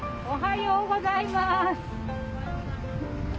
おはようございます。